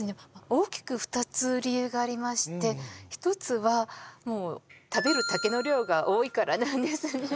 大きく２つ理由がありまして１つはもう食べる竹の量が多いからなんですね